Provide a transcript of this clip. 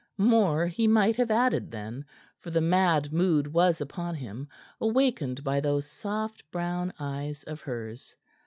More he might have added then, for the mad mood was upon him, awakened by those soft brown eyes of hers.